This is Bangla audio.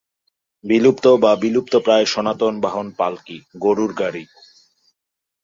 বিলুপ্ত বা বিলুপ্তপ্রায় সনাতন বাহন পালকি, গরুর গাড়ি।